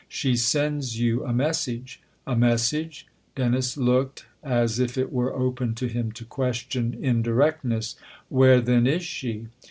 She sends you a message." " A message ?" Dennis looked as if it were open to him to question indirectness. "Where then is she